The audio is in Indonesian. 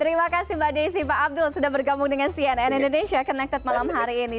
terima kasih mbak desi pak abdul sudah bergabung dengan cnn indonesia connected malam hari ini